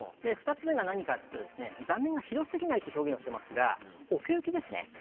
２つ目が何かというと座面が広すぎないという表現をしていますが奥行きですね。